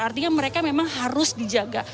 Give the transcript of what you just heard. artinya mereka memang harus dijaga